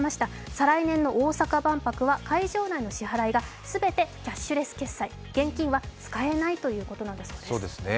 再来年の大阪万博は会場内の支払いが全てキャッシュレス決済現金は使えないということなんですよね。